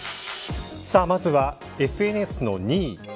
まずはＳＮＳの２位。